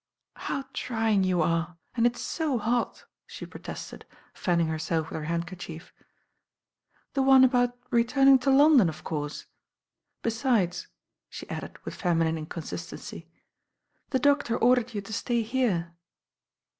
"How trying you are, and it'f to hot," ahe protested, fanning herself with her handkerchief. The one about returning to London, of course. Besides," she added with feminine inconsistency, ' the doctor ordered you to stay here."